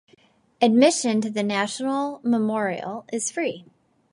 Admission to the National Memorial is free.